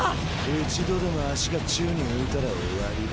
一度でも足が宙に浮いたら終わりだ。